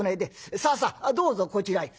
さあさあどうぞこちらへ」。